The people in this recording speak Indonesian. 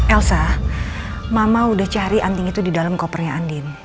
elsa mama udah cari anting itu di dalam kopernya andin